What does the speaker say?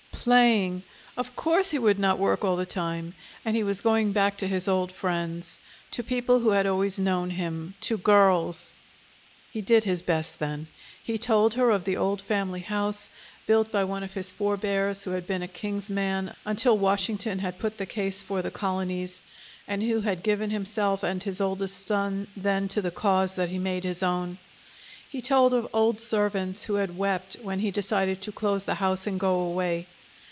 Playing! Of course he would not work all the time. And he was going back to his old friends, to people who had always known him, to girls He did his best then. He told her of the old family house, built by one of his forebears who had been a king's man until Washington had put the case for the colonies, and who had given himself and his oldest son then to the cause that he made his own. He told of old servants who had wept when he decided to close the house and go away.